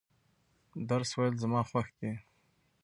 درس ویل زما خوښ دي.